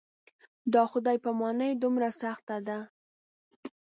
دا خدای پاماني دومره سخته ده.